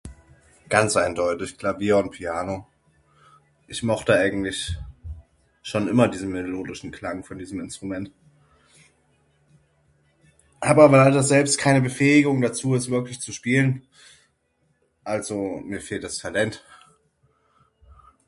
Ganz eindeutig Klavier und Piano, ich mochte eigentlich schon immer diesen melodischen Klang von diesem Instrument ... Aber [unintelligible] selbst keine Befähigung dazu es wirklich zu spielen, also mir fehlt das Talent.